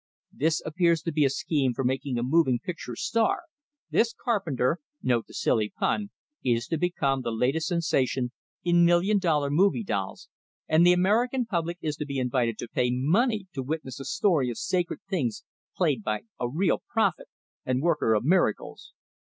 This appears to be a scheme for making a moving picture 'star'; this 'Carpenter' note the silly pun is to become the latest sensation in million dollar movie dolls, and the American public is to be invited to pay money to witness a story of sacred things played by a real 'prophet' and worker of 'miracles'!"